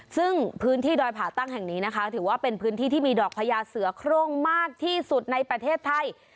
ซึ่งพื้นที่ดอยผ่าตั้งแห่งนี้นะคะถือว่าเป็นพื้นที่ที่มีดอกพญาเสือโครงมากที่สุดในประเทศไทย